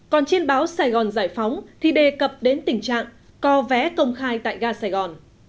còn trên báo sài gòn giải phóng thì đề cập đến tình trạng co vé công khai tại ga sài gòn